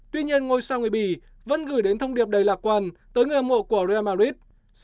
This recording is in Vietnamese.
tuy nhiên ngôi sao người b vẫn gửi đến thông điệp đầy lạc quan tới người âm mộ của real madrid